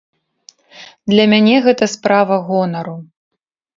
Для мяне гэта справа гонару.